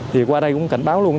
thì qua đây cũng cảnh báo luôn